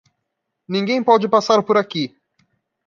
Ninguém pode passar por aqui!